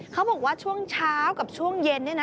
เขาบอกว่าช่วงเช้ากับช่วงเย็นเนี่ยนะ